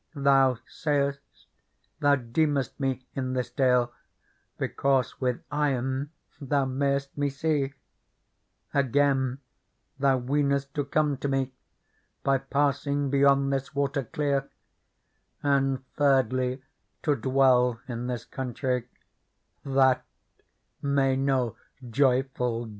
Thou say'st, thou deemest me in this dale Because with eyen thou may'st me see : Again, thou weenest to come to me By passing beyond this water clear : And thirdly, to dwell in this countrie : That may no joyful jeweller.